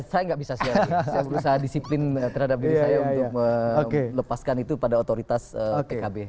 saya enggak bisa sih saya berusaha disiplin terhadap diri saya untuk melepaskan itu pada otoritas pkb